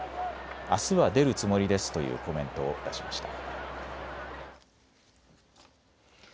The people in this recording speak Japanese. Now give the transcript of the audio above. あすは出るつもりですというコメントを出しました。